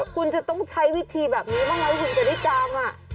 คุณจะต้องใช้วิธีแบบนี้บ้างไหมคุณจะได้จำ